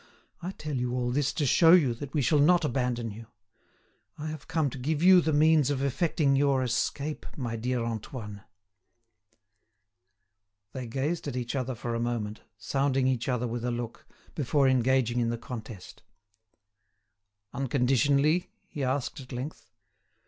I tell you all this to show you that we shall not abandon you. I have come to give you the means of effecting your escape, my dear Antoine." They gazed at each other for a moment, sounding each other with a look, before engaging in the contest. "Unconditionally?" he asked, at length.